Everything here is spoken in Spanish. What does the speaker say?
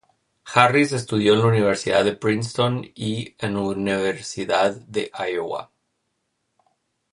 Harris estudió en la Universidad de Princeton y en Universidad de Iowa.